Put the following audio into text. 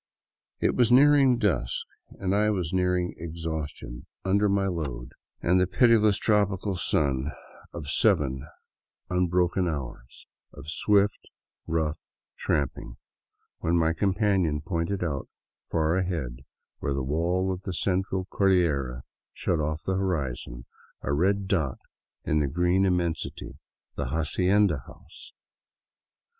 It was nearing dusk, and I was near exhaustion under my load and 225 VAGABONDING DOWN THE ANDES the pitiless tropical sun of seven unbroken hours of swift, rough tramp ing, when my companion pointed out far ahead, where the wall of the Central Cordillera shut off the horizon, a red dot in the green immen sity,— the hacienda house.